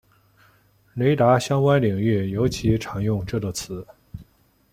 雷达相关领域尤其常用这个词。